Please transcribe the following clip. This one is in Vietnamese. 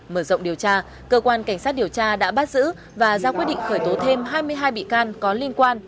mở rộng điều tra cơ quan cảnh sát điều tra đã bắt giữ và ra quyết định khởi tố thêm hai mươi hai bị can có liên quan